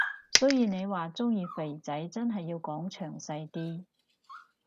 所以你話鍾意肥仔真係要講詳細啲